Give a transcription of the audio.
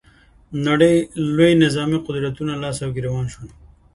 نړۍ لویو نظامي قدرتونو لاس ګرېوان شول